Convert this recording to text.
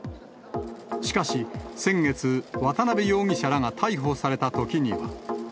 しかし先月、渡辺容疑者らが逮捕されたときには。